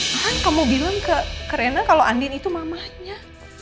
kan kamu bilang ke rena kalau andin itu mamanya